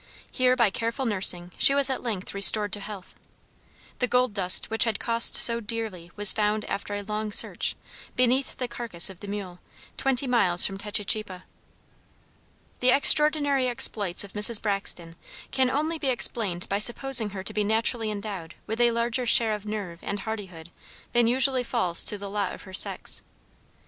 Here by careful nursing she was at length restored to health. The gold dust which had cost so dearly was found after a long search, beneath the carcass of the mule, twenty miles from Techichipa. The extraordinary exploits of Mrs. Braxton can only be explained by supposing her to be naturally endowed with a larger share of nerve and hardihood than usually falls to the lot of her sex.